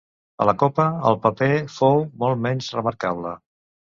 A la Copa el paper fou molt més menys remarcable.